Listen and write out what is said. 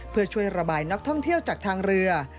เพื่อช่วยระบายนักท่องเที่ยวจากทางเรือ